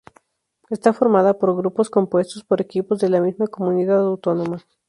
Está formada por grupos compuestos por equipos de la misma comunidad autónoma.